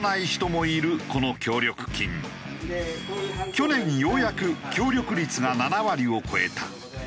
去年ようやく協力率が７割を超えた。